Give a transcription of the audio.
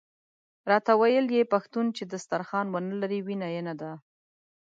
راته ویل یې پښتون چې دسترخوان ونه لري وینه یې نده.